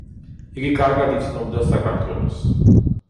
იგი კარგად იცნობდა საქართველოს.